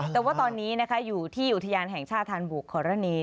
แต่ว่าตอนนี้อยู่ที่อุทยานแห่งชาติธารณบุคครณี